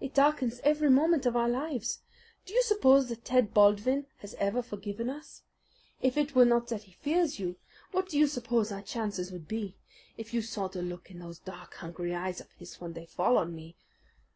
"It darkens every moment of our lives. Do you suppose that Ted Baldwin has ever forgiven us? If it were not that he fears you, what do you suppose our chances would be? If you saw the look in those dark, hungry eyes of his when they fall on me!"